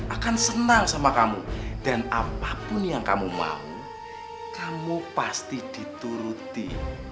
akan senang sama kamu dan apapun yang kamu mau kamu pasti dituruti